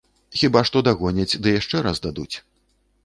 Хіба што дагоняць ды яшчэ раз дадуць.